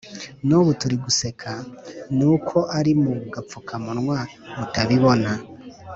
N’ubu turi guseka ni uko ari mu gapfukamunwa mutabibona”